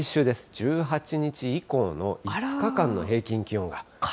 １８日以降の５日間の平均気温が。